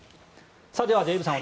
ではデーブさん